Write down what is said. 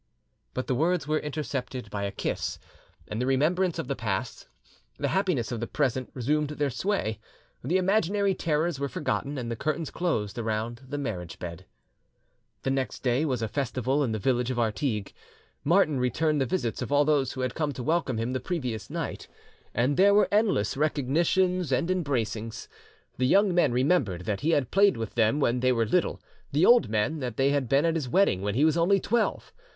But the words were intercepted by a kiss, and the remembrance of the past, the happiness of the present, resumed their sway; the imaginary terrors were forgotten, and the curtains closed around the marriage bed. The next day was a festival in the village of Artigues. Martin returned the visits of all who had come to welcome him the previous night, and there were endless recognitions and embracings. The young men remembered that he had played with them when they were little; the old men, that they had been at his wedding when he was only twelve.